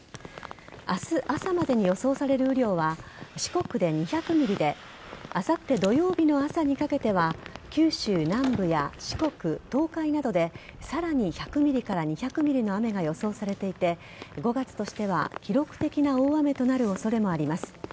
明日朝までに予想される雨量は四国で２００ｍｍであさって土曜日の朝にかけては九州南部や四国、東海などでさらに１００ｍｍから２００ミリの雨が予想されていて５月としては記録的な大雨となる恐れもあります。